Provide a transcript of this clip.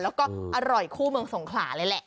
แล้วก็อร่อยคู่เมืองสงขลาเลยแหละ